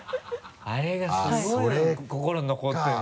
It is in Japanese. あれがすごい心に残ってるの。